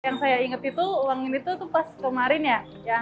yang saya ingat itu uang ini tuh pas kemarin ya